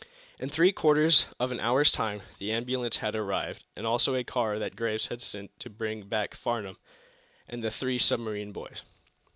In three quarters of an hour's time the ambulance had arrived, and also a car that Graves had sent to bring back Farnum and the three submarine boys.